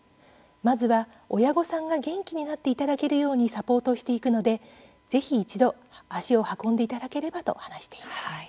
まずは親御さんが元気になっていただけるようにサポートしていくので、ぜひ一度足を運んでいただければと話しています。